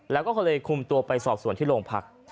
แล้วก็เคยคุมตัวไปสอบส่วนที่โรงพัก